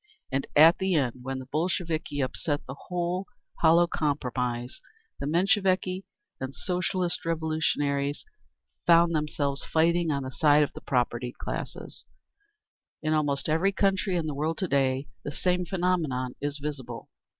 And at the end, when the Bolsheviki upset the whole hollow compromise, the Mensheviki and Socialist Revolutionaries found themselves fighting on the side of the propertied classes…. In almost every country in the world to day the same phenomenon is visible.